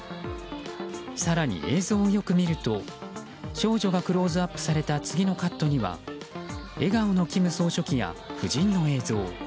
更に、映像をよく見ると少女がクローズアップされた次のカットには笑顔の金総書記や夫人の映像。